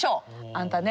あんたね